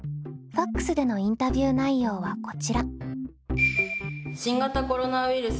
ＦＡＸでのインタビュー内容はこちら。